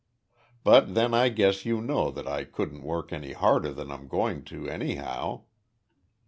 But then I guess you know that I couldn't work any harder than I'm going to, anyhow."